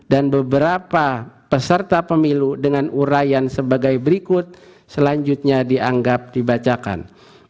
dan beberapa peserta pemilu dengan urayan sebagai berikut selanjutnya dianggap dibacakan